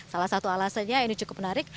salah satu alasannya ini cukup menarik